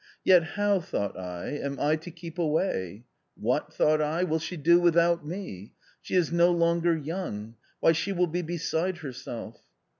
Yet how, thought I, am I to keep away ? What, thought I, will she do without me ? She is no longer young. Why she will be beside herself